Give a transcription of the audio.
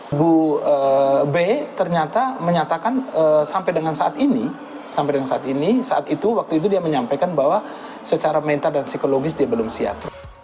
ibu b ternyata menyatakan sampai dengan saat ini sampai dengan saat ini saat itu waktu itu dia menyampaikan bahwa secara mental dan psikologis dia belum siap